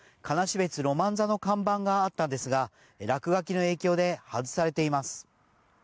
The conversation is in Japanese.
別ロマン座の看板があったんですが落書きの影響で外されています。